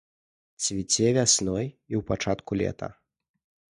Цвіце вясной і ў пачатку лета.